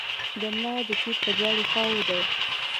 د ملا د تیر په دواړو خواوو دي.